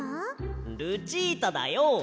ルチータだよ。